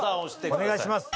お願いします。